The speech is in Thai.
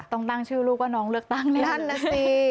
ต้องตั้งชื่อลูกว่าน้องเลือกตั้งนี่